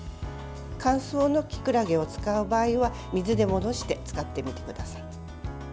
乾燥のきくらげを使う場合は水で戻して使ってみてください。